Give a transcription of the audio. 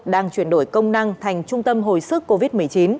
đang chuyển đổi công năng thành trung tâm hồi sức covid một mươi chín